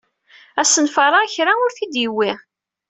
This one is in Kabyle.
Asenfaṛ-a kra ur t-id-yewwi.